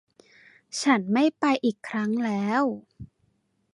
ฉันไม่ไปอีกครั้งแล้ว